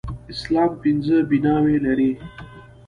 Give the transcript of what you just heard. اسلام پينځه بلاوي لري.